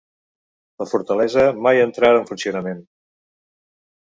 La fortalesa mai entrar en funcionament.